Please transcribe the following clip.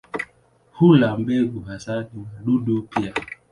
Hula mbegu hasa na wadudu pia.